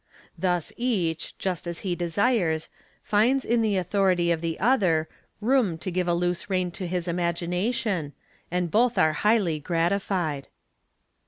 Thus each, just as he desires, finds in the authority of the other room to give a loose rein to his imagination, and both are highly gratified.